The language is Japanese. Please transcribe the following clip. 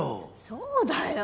そうだよ！